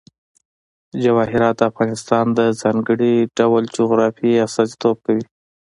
جواهرات د افغانستان د ځانګړي ډول جغرافیه استازیتوب کوي.